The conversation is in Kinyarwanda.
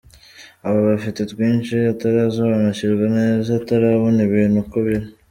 Aba afite twinshi atarasobanukirwa neza, atarabona ibintu uko biri.